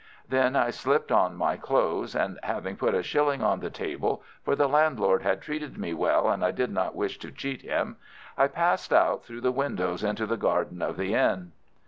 Then I slipped on my clothes, and, having put a shilling on the table—for the landlord had treated me well, and I did not wish to cheat him—I passed out through the window into the garden of the inn.